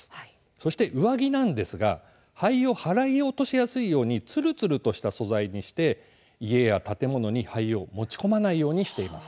そして上着なんですが灰を払い落としやすいようにつるつるとした素材にして家や建物に灰を持ち込まないようにしています。